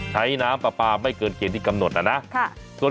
ใช้เมียได้ตลอด